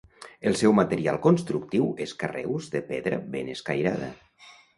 El seu material constructiu és carreus de pedra ben escairada.